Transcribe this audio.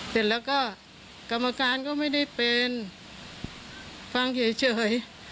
เสร็จแล้วก็กรรมการก็ไม่ได้เป็นฟังเฉย